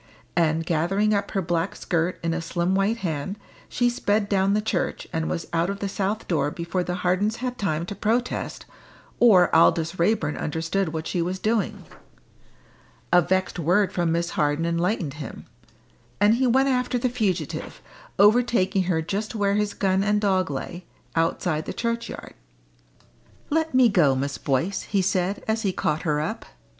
And, gathering up her black skirt in a slim white hand, she sped down the church, and was out of the south door before the Hardens had time to protest, or Aldous Raeburn understood what she was doing. A vexed word from Miss Harden enlightened him, and he went after the fugitive, overtaking her just where his gun and dog lay, outside the churchyard. "Let me go, Miss Boyce," he said, as he caught her up.